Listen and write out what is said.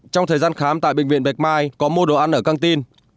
trong thời gian khám tại bệnh viện bạch mai có mua đồ ăn ở căng tin